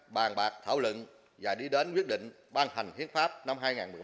bàn bạc thảo luận và đi đến quyết định ban hành hiến pháp năm hai nghìn một mươi ba